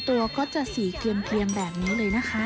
ตัวก็จะสีเคลียมแบบนี้เลยนะคะ